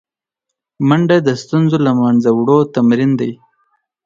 منډه د ستونزو له منځه وړو تمرین دی